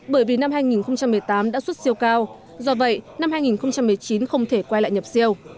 bởi vì năm hai nghìn một mươi tám đã xuất siêu cao do vậy năm hai nghìn một mươi chín không thể quay lại nhập siêu